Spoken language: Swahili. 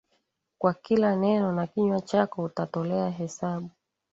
Kwa kila neno na kinywa chako utatolea hesabu